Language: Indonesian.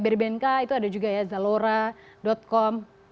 dari bnk itu ada juga ya zalora com